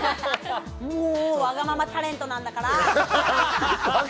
もう、わがままタレントなんだから！